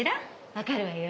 わかるわよ。